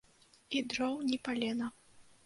І дроў ні палена.